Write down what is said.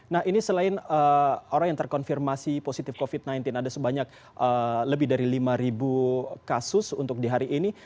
nah ini selain orang yang terkonfirmasi positif covid sembilan belas ada sebanyak lebih dari lima kasus untuk di hari ini